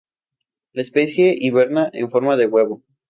La especie hiberna en forma de huevo.